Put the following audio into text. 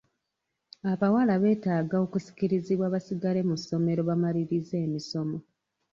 Abawala beetaaga okusikirizibwa basigale mu ssomero bamalirize emisomo.